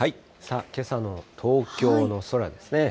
けさの東京の空ですね。